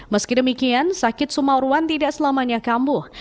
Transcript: meski demikian sakit sumarwan tidak selamanya kambuh